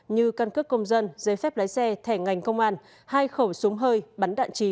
như căn cước công dân giấy phép lái xe thẻ ngành công an